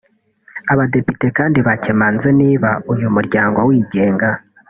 Abadepite kandi bakemanze niba uyu muryango wigenga